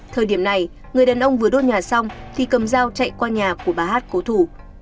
thời điểm này người đàn ông vừa đốt nhà xong thì cầm dao chạy qua nhà của bà hát cố thủ